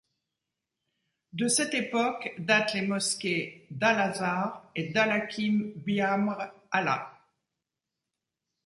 De cette époque datent les mosquées d'al-Azhar et d'al-Hakim bi-Amr Allah.